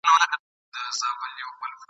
په کلو یې یوه زرکه وه ساتلې !.